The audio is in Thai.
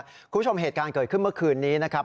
คุณผู้ชมเหตุการณ์เกิดขึ้นเมื่อคืนนี้นะครับ